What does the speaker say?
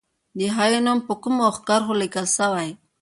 د هغې نوم په کومو کرښو لیکل سوی؟